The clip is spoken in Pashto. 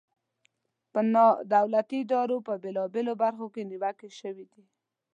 پر نا دولتي ادارو په بیلابیلو برخو کې نیوکې شوي دي.